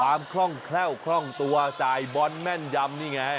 คล่องแคล่วคล่องตัวจ่ายบอลแม่นยำนี่ไง